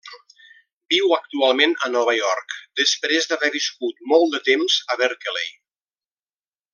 Viu actualment a Nova York després d'haver viscut molt de temps a Berkeley.